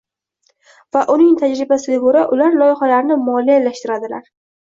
Va uning tajribasiga koʻra, ular loyihalarni moliyalashtiradilar.